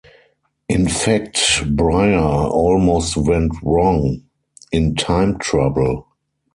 In fact, Breyer almost went wrong in time trouble.